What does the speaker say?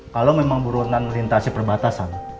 kalau memang burunan melintasi perbatasan